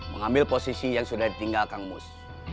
mengambil posisi yang sudah ditinggalkan mus